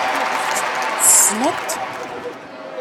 Tessneḍ-t.